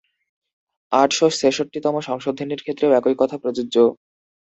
আটশ ছেষট্টিতম সংশোধনীর ক্ষেত্রেও একই কথা প্রযোজ্য।